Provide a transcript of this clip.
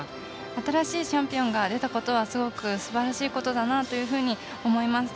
新しいチャンピオンが出たことはすごく、すばらしいことだなというふうに思います。